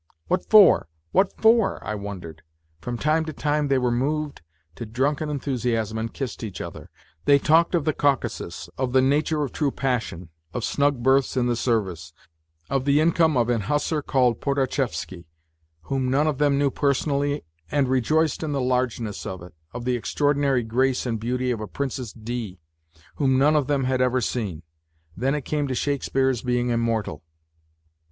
"What for? What for?" I wondered. From time to time they were moved to drunken enthusiasm and kissed each other. They talked of the Caucasus, of the nature of true passion, of snug berths in the service, of the income of an hussar called Podharzhevsky, whom none of them knew personally, and rejoiced in the largeness of it, of the extraordinary grace and beauty of a Princess D., whom none of them had ever seen; then it came to Shakespeare's being immortal.